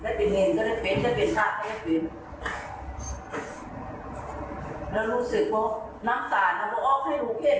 ได้เป็นเองก็ได้เป็นได้เป็นชาติก็ได้เป็น